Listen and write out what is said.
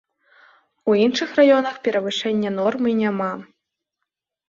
У іншых раёнах перавышэння нормы няма.